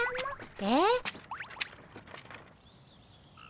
えっ？